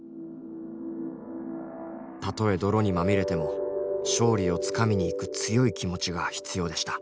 たとえ泥にまみれても勝利をつかみにいく強い気持ちが必要でした。